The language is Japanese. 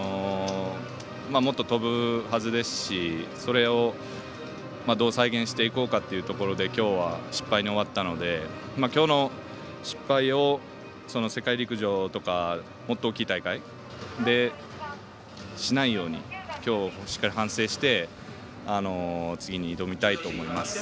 もっと飛ぶはずですしそれをどう再現していこうかというところできょうは、失敗に終わったのできょうの失敗を世界陸上とかもっと大きい大会でしないようにきょう、しっかりと反省して次に挑みたいと思います。